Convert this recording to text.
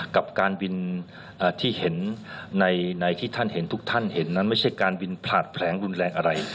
กับการบินที่เห็นในที่ท่านเห็นทุกท่านเห็นนั้นไม่ใช่การบินผลาดแผลงรุนแรงอะไร